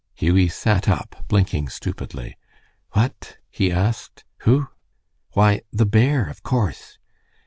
Hughie sat up, blinking stupidly. "What?" he asked. "Who?" "Why, the bear, of course."